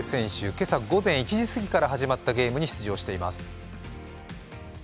今朝午前１時過ぎから始まったゲームに出場しています。